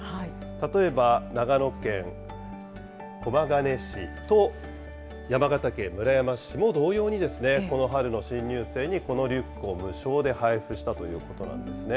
例えば長野県駒ヶ根市と山形県村山市も同様に、この春の新入生にこのリュックを無償で配布したということなんですね。